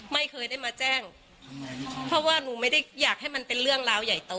ไม่เคยได้มาแจ้งเพราะว่าหนูไม่ได้อยากให้มันเป็นเรื่องราวใหญ่โต